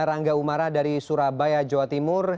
rangga umara dari surabaya jawa timur